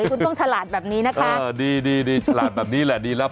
คุณต้องฉลาดแบบนี้นะคะเออดีดีฉลาดแบบนี้แหละดีแล้ว